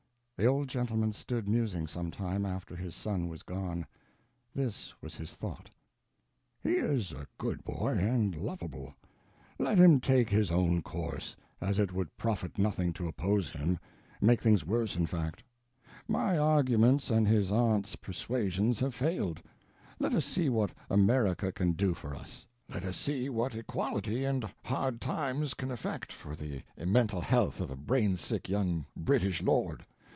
The old gentleman stood musing some time, after his son was gone. This was his thought: "He is a good boy, and lovable. Let him take his own course—as it would profit nothing to oppose him—make things worse, in fact. My arguments and his aunt's persuasions have failed; let us see what America can do for us. Let us see what equality and hard times can effect for the mental health of a brain sick young British lord.